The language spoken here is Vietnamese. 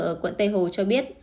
ở quận tây hồ cho biết